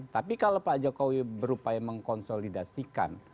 tapi kalau pak jokowi berupaya mengkonsolidasikan